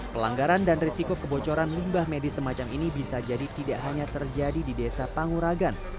pelanggaran dan risiko kebocoran limbah medis semacam ini bisa jadi tidak hanya terjadi di desa panguragan